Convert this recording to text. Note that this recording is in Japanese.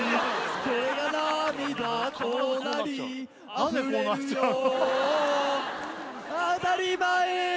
何でこうなっちゃうの？